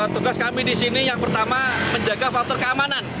tugas kami di sini yang pertama menjaga faktor keamanan